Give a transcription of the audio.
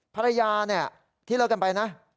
ภรรยาที่เลิกกันไปนะ